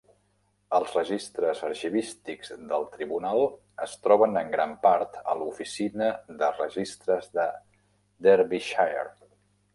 Els registres arxivístics del tribunal es troben en gran part a l'Oficina de Registres de Derbyshire.